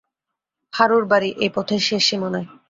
হারুর বাড়ি এই পথের শেষ সীমায়।